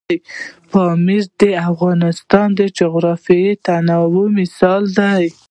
پامیر د افغانستان د جغرافیوي تنوع مثال دی.